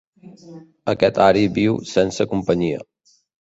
Aquest ari viu sense companyia.